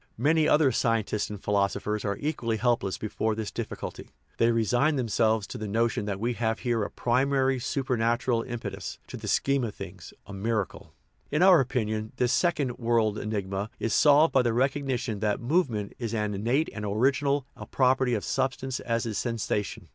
Many other scientists and philosophers are equally helpless before this difficulty; they resign themselves to the notion that we have here a primary " supernatural impetus " to the scheme of things, a " miracle/' In our opinion, this second " world enigma " is solved by the recognition that movement is as innate and original a property of substance as is sensation.